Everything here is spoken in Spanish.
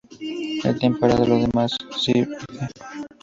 El tiempo hará lo demás, si Vd.